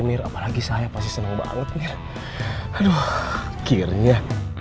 mir apalagi saya pasti seneng banget aduh akhirnya